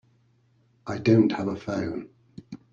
I don't have a phone.